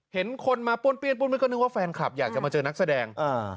เห็นคนมาป้วนเปี้ยนป้วนมันก็นึกว่าแฟนคลับอยากจะมาเจอนักแสดง